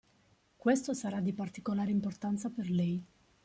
Questo sarà di particolare importanza per lei.